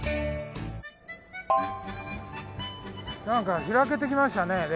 なんか開けてきましたね